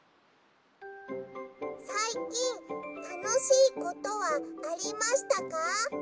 「さいきんたのしいことはありましたか？」。